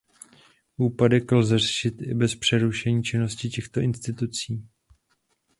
Úpadek lze řešit i bez přerušení činnosti těchto institucí.